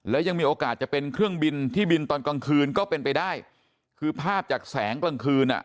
และยังมีโอกาสจะเป็นเครื่องบินที่บินตอนกลางคืนก็เป็นไปได้คือภาพจากแสงกลางคืนอ่ะ